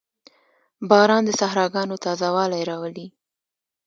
• باران د صحراګانو تازهوالی راولي.